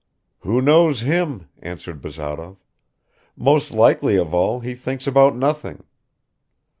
"Who knows him!" answered Bazarov. "Most likely of all he thinks about nothing.